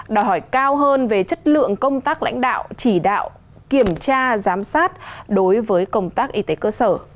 đòi hỏi cao hơn về chất lượng công tác lãnh đạo chỉ đạo kiểm tra giám sát đối với công tác y tế cơ sở